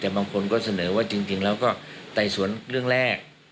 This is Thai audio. แต่บางคนก็เสนอว่าจริงแล้วก็ไต่สวนเรื่องแรก